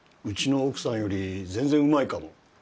うちの奥さんより全然うまいかも。